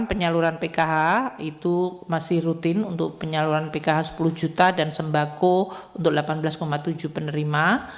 penyaluran pkh itu masih rutin untuk penyaluran pkh sepuluh juta dan sembako untuk delapan belas tujuh penerima